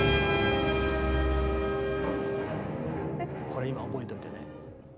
これ今覚えておいてね。